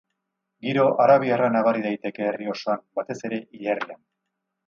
Giro arabiarra nabari daiteke herri osoan, batez ere, hilerrian.